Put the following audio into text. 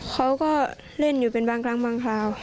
เขาก็เล่นอยู่เป็นบางครั้งบางคราว